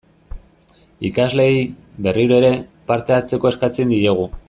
Ikasleei, berriro ere, parte hartzeko eskatzen diegu.